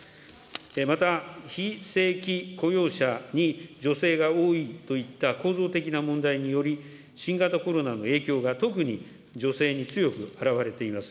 また非正規雇用者に女性が多いといった構造的な問題により、新型コロナの影響が特に女性に強く表れています。